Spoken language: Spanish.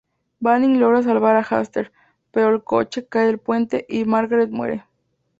Banning logra salvar a Asher, pero el coche cae del puente y Margaret muere.